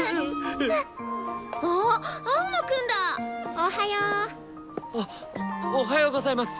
おはよう。おっおはようございます！